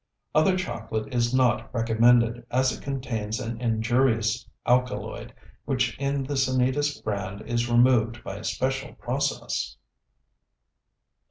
Other chocolate is not recommended, as it contains an injurious alkaloid, which in the Sanitas brand is removed by a special process.